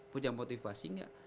punya motivasi gak